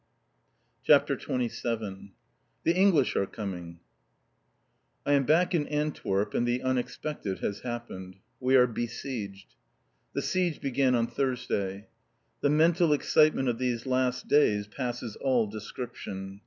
CHAPTER XXVII "THE ENGLISH ARE COMING" I am back in Antwerp and the unexpected has happened. We are besieged. The siege began on Thursday. The mental excitement of these last days passes all description.